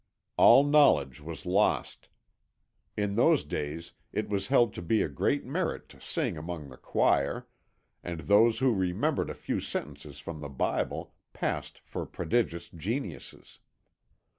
All knowledge was lost. In those days it was held to be a great merit to sing among the choir, and those who remembered a few sentences from the Bible passed for prodigious geniuses.